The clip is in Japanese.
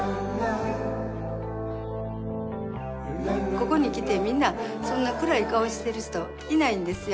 ここに来てみんなそんな暗い顔してる人いないんですよ。